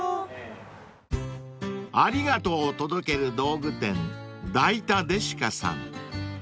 ［ありがとうを届ける道具店ダイタデシカ、さん］